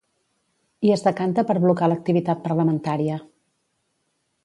I es decanta per blocar l’activitat parlamentària.